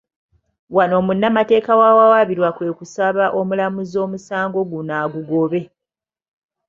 Wano munnamateeka w'abawawaabirwa kwe kusaba omulamuzi omusango guno agugobe.